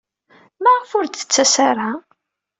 Maɣef ur d-tettas ara?